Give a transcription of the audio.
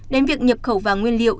đến việc nhập khẩu vàng nguyên liệu